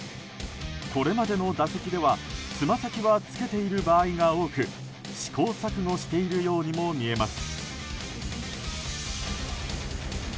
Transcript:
これまでの打席ではつま先はつけている場合が多く試行錯誤しているようにも見えます。